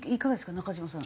中島さん。